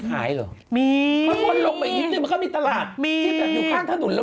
พ่อมีตลาดที่อยู่ข้างถนนละ